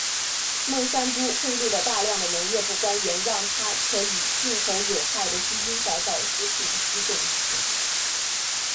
孟山都贿赂了大量的农业部官员让它可以进口有害的基因改造食品及种子。